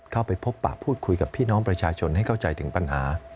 เข้าไปพบปะพูดคุยกับพี่น้องประชาชนให้เข้าใจถึงปัญหา